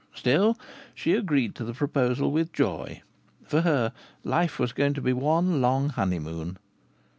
Still, she agreed to the proposal with joy. (For her life was going to be one long honeymoon.)